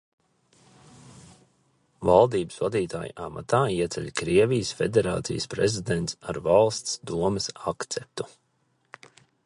Valdības vadītāju amatā ieceļ Krievijas Federācijas Prezidents ar Valsts Domes akceptu.